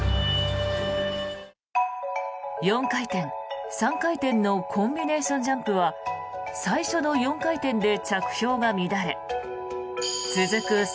４回転、３回転のコンビネーションジャンプは最初の４回転で着氷が乱れ続く